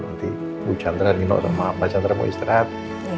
nanti bu jandra ngino sama mbak jandra mau istirahat